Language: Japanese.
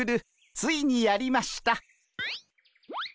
ついにやりました。